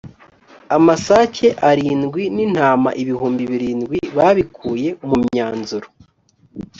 amasake arindwi n’intama ibihumbi birindwi babikuye mu myanzuro